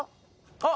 あっ。